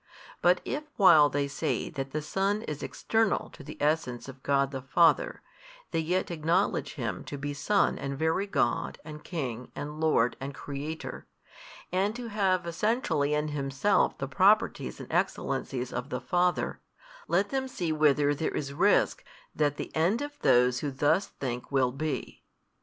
But if while they say that the Son is external to the Essence of God the Father, they yet acknowledge Him to be Son and Very God and King and Lord and Creator, and to have Essentially in Himself the Properties and Excellencies of the Father, let them see whither there is risk that the end of those who thus think will be.